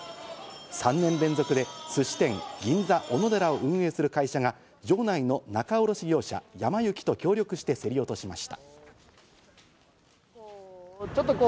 ３年連続で、すし店・銀座おのでらを運営する会社が場内の仲卸業者・やま幸と協力して競り落としました。